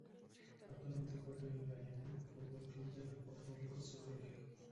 Actualmente juega en el Bayamón Fútbol Club de la Puerto Rico Soccer League.